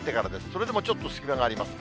それでもちょっと隙間があります。